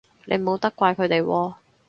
你冇得怪佢哋喎